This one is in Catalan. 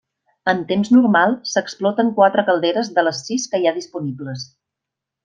En temps normal, s'exploten quatre calderes de les sis que hi ha disponibles.